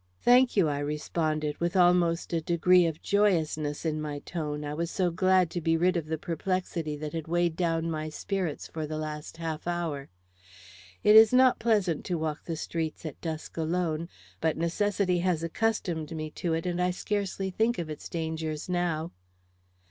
"Thank you," I responded, with almost a degree of joyousness in my tone, I was so glad to be rid of the perplexity that had weighed down my spirits for the last half hour. "It is not pleasant to walk the streets at dusk alone, but necessity has accustomed me to it, and I scarcely think of its dangers now."